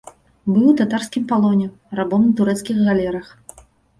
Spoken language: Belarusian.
Быў у татарскім палоне, рабом на турэцкіх галерах.